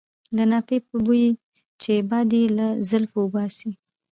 د نافې په بوی چې باد یې له زلفو وباسي.